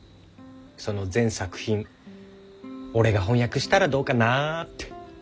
その全作品俺が翻訳したらどうかなって。